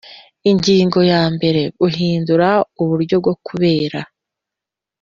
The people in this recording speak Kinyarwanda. Ingingo ya mbere Guhindura uburyo bwo kubera